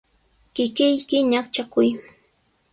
Kikiyki ñaqchakuy.